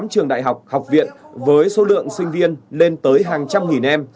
một mươi tám trường đại học học viện với số lượng sinh viên lên tới hàng trăm nghìn em